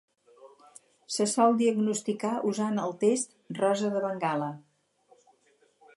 Se sol diagnosticar usant el Test Rosa de Bengala.